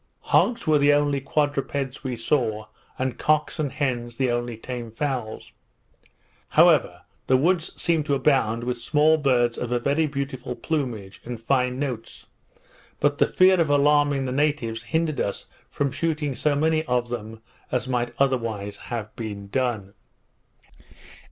Hogs were the only quadrupeds we saw; and cocks and hens the only tame fowls. However, the woods seemed to abound with small birds of a very beautiful plumage, and fine notes; but the fear of alarming the natives hindered us from shooting so many of them as might otherwise have been done.